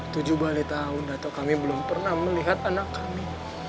tujuh bali tahun atau kami belum pernah melihat anak kami